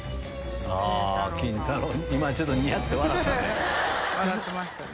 今ちょっとニヤって笑ったね。